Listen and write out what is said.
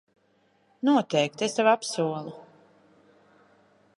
Noteikti, es tev apsolu.